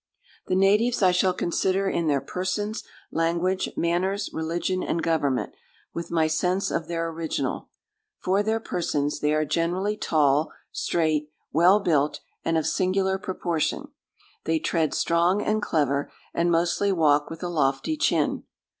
— "The natives I shall consider in their persons, language, manners, religion, and government, with my sense of their original. For their persons, they are generally tall, straight, well built, and of singular proportion; they tread strong and clever, and mostly walk with a lofty chin.